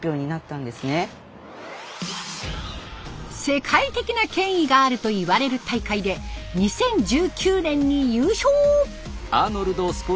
世界的な権威があるといわれる大会で２０１９年に優勝。